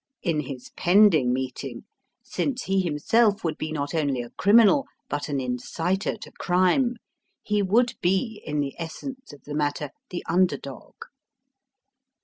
In his pending meeting since he himself would be not only a criminal but an inciter to crime he would be, in the essence of the matter, the under dog.